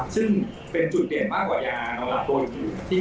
ซึ่งเป็นจุดเด่นมากกว่ายานอนหลับตัวอยู่